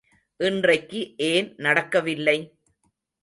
இன்றைக்கு ஏன் நடக்கவில்லை?